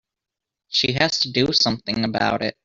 She has to do something about it.